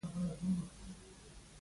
امنیت ښه نیول شوی و.